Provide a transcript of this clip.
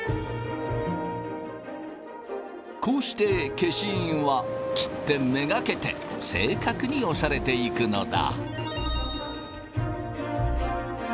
こうして消印は切手めがけて正確に押されていくのだ。